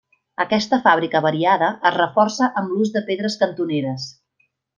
Aquesta fàbrica variada es reforça amb l'ús de pedres cantoneres.